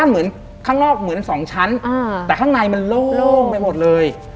มันมีสองชั้นแต่ข้างในมันโล่งไปหมดเลย